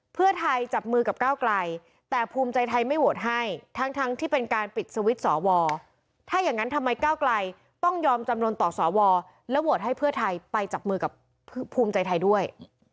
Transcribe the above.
เพื่อไทยจับมือกับก้าวไกลแต่ภูมิใจไทยไม่โหวตให้ทั้งที่เป็นการปิดสวิตช์สวถ้าอย่างนั้นทำไมก้าวไกลต้องยอมจำนวนต่อสวแล้วโหวตให้เพื่อไทยไปจับมือกับภูมิใจไทยด้วย